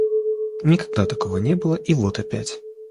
никогда такого не было,и вот опять.